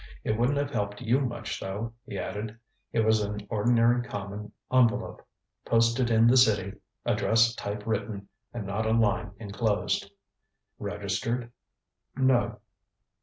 It wouldn't have helped you much, though, ŌĆØ he added; ŌĆ£It was an ordinary common envelope, posted in the City, address typewritten, and not a line enclosed. ŌĆØ ŌĆ£Registered? ŌĆØ ŌĆ£No.